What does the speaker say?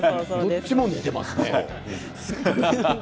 どっちも似ていますね。